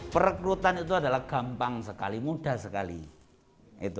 perekrutan itu adalah gampang sekali mudah sekali